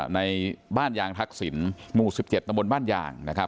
ในบ้านยางทักษิณหมู่๑๗ตำบลบ้านยางนะครับ